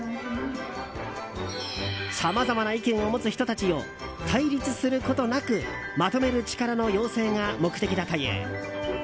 さまざまな意見を持つ人たちを対立することなくまとめる力の養成が目的だという。